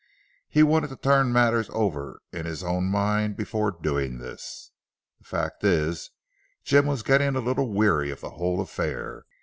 He wanted to turn matters over in his own mind before doing this. The fact is Jim was getting a little weary of the whole affair.